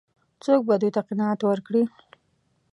څوک به دوی ته قناعت ورکړي؟